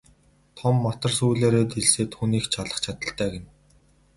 Том матар сүүлээрээ дэлсээд хүнийг ч алах чадалтай гэнэ.